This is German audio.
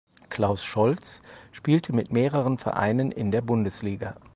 Claus Scholz spielte mit mehreren Vereinen in der Bundesliga.